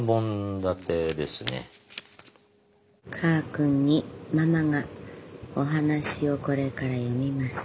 「カー君にママがお話をこれから読みます。